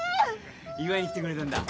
祝いに来てくれたんだ。